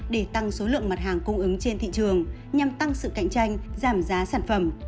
để tăng số lượng mặt hàng cung ứng trên thị trường nhằm tăng sự cạnh tranh giảm giá sản phẩm